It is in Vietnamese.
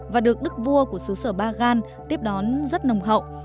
và được đức vua của xứ sở bagan tiếp đón rất nồng hậu